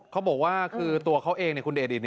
เขาบอกว่าคือตัวเขาเองคุณเดดิต